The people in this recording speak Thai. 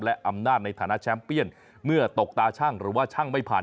และอำนาจในฐานะแชมป์เปี้ยนเมื่อตกตาชั่งหรือว่าช่างไม่ผ่าน